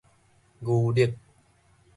牛力